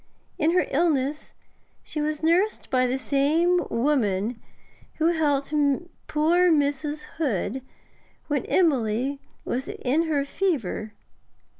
In her illness she was nursed by the same woman who helped poor Mrs. Hood when Emily was in her fever.